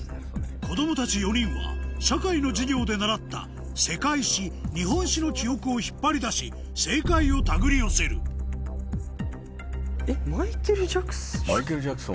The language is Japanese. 子供たち４人は社会の授業で習った世界史・日本史の記憶を引っ張り出し正解を手繰り寄せるえっマイケル・ジャクソン。